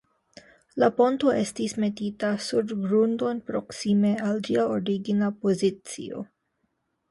La ponto estis metita sur grundon proksime al ĝia origina pozicio.